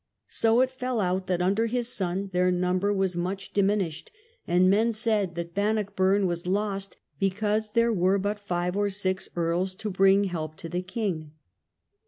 So it fell out that under his son their number was much diminished, and men said that Bannockburn was lost because there were but five or six earls to bring help to the king.